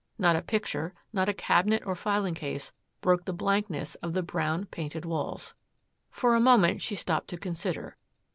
Not a picture, not a cabinet or filing case broke the blankness of the brown painted walls. For a moment she stopped to consider.